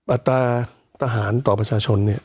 อัตราทหารต่อประชาชน